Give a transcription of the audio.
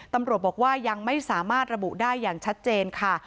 ตำรวจบอกว่ายังไม่สามารถระบุได้อย่างชัดเจนค่ะ